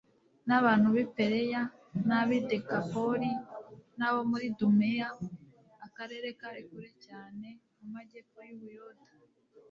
n'abantu b'i Peleya n'ab'i Dekapoli, n'abo mu i Dumeya akarere kari kure cyane mu majyepfo y'Ubuyuda,